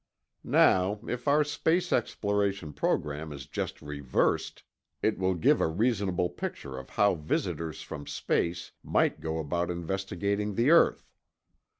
Now, if our space exploration program is just reversed, it will give a reasonable picture of how visitors from space might go about investigating the earth.